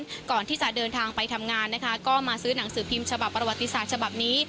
ก่อนที่จะเดินทางไปทำงานนะคะก็มาซื้อหนังสือพิมพ์ฉบับประวัติศาสตร์ฉบับนี้